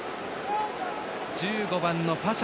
１５番のパシャ